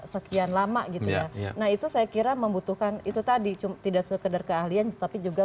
sekian lama gitu ya nah itu saya kira membutuhkan itu tadi cuma tidak sekedar keahlian tapi juga